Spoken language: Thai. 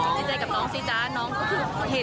เสียใจกับน้องสิจ๊ะน้องก็คือเห็น